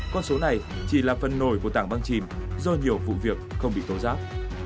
con số này chỉ là phần nổi của tảng văn chìm do nhiều vụ việc không bị tố giáp